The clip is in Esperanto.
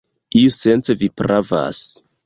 Iusence vi pravas.